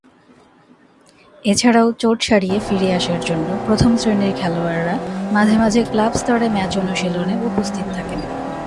এছাড়াও চোট সারিয়ে ফিরে আসার জন্য প্রথম শ্রেণির খেলোয়াড়রা মাঝে মাঝে ক্লাব স্তরে ম্যাচ অনুশীলনে উপস্থিত থাকেন।